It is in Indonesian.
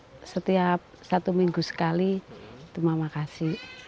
bantuan susu setiap satu minggu sekali itu mama kasih